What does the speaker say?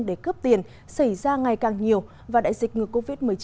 để cướp tiền xảy ra ngày càng nhiều và đại dịch ngừa covid một mươi chín